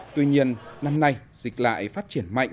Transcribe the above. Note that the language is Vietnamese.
tuy nhiên năm nay dịch lại phát triển mạnh